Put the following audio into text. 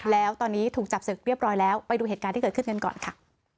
แล้วตอนนี้ถูกจับศึกเรียบร้อยแล้วไปดูเหตุการณ์ที่เกิดขึ้นกันก่อนค่ะ